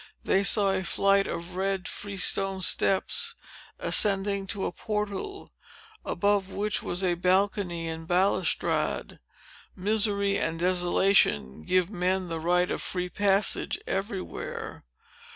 They saw a flight of red freestone steps, ascending to a portal, above which was a balcony and balustrade. Misery and desolation give men the right of free passage everywhere.